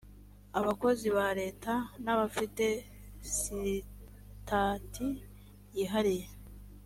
abakozi ba leta n’abafite sitati yihariye